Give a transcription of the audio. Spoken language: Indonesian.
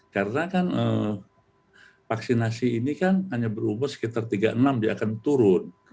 karena kan vaksinasi ini kan hanya berumur sekitar tiga puluh enam dia akan turun